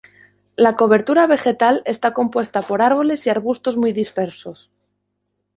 La cobertura vegetal está compuesta por árboles y arbustos muy dispersos.